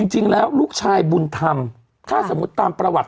จริงแล้วลูกชายบุญธรรมถ้าสมมุติตามประวัติ